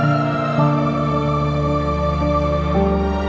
aku mau denger